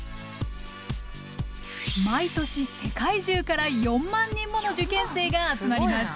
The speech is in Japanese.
毎年世界中から４万人もの受験生が集まります。